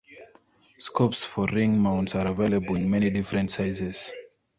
Scopes for ring mounts are available in many different sizes.